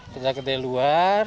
terjangkit dari luar